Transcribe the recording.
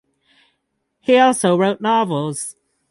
He also wrote novels.